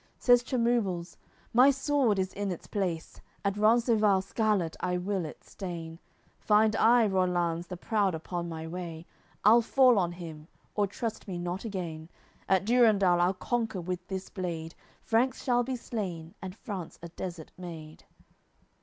Says Chemubles "My sword is in its place, At Rencesvals scarlat I will it stain; Find I Rollanz the proud upon my way, I'll fall on him, or trust me not again, And Durendal I'll conquer with this blade, Franks shall be slain, and France a desert made."